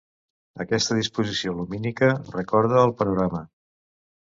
Aquesta disposició lumínica recorda al Panorama.